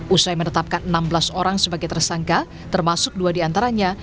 usai menetapkan enam belas orang sebagai tersangka termasuk dua diantaranya